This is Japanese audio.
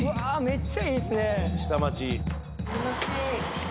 めっちゃいいっすね！